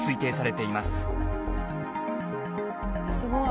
すごい。